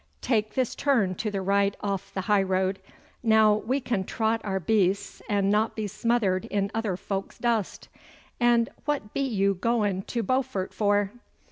Tak' this turn to the right off the high road. Now we can trot our beasts and not be smothered in other folk's dust. And what be you going to Beaufort for?